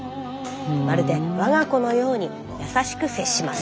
まるで我が子のように優しく接します。